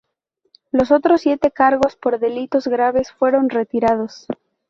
Los otros siete cargos por delitos graves fueron retirados.